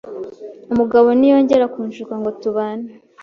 umugabo niyongera kunshuka ngo tubane